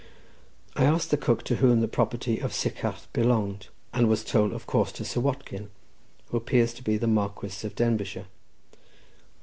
I asked the cook to whom the property of Sycharth belonged, and was told of course to Sir Watkin, who appears to be the Marquis of Carabas of Denbighshire.